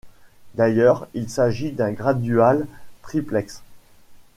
D'ailleurs, il s'agit d'un graduale triplex.